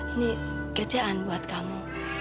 ini kerjaan buat kamu